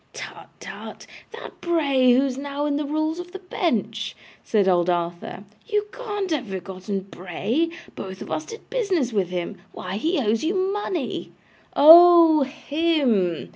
'Tut, tut. That Bray who is now in the Rules of the Bench,' said old Arthur. 'You can't have forgotten Bray. Both of us did business with him. Why, he owes you money!' 'Oh HIM!